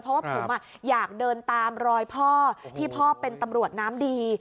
เพราะว่าผมอยากเดินตามรอยพ่อที่พ่อเป็นตำรวจน้ำดี